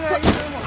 もう。